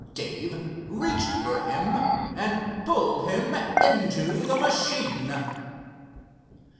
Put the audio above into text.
Dave reached for him and pulled him into the machine.